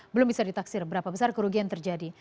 belum bisa ditaksir berapa besar kerugian terjadi